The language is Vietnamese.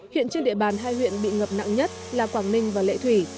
hiện trên địa bàn hai huyện bị ngập nặng nhất là quảng ninh và lệ thủy